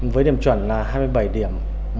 với điểm chuẩn là hai mươi bảy điểm